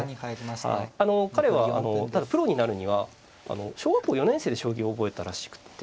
あの彼はプロになるには小学校４年生で将棋を覚えたらしくって。